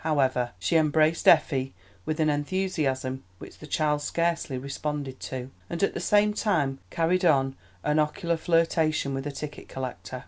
However, she embraced Effie with an enthusiasm which the child scarcely responded to, and at the same time carried on an ocular flirtation with a ticket collector.